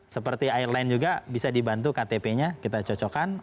seperti airline juga bisa dibantu ktp nya kita cocokkan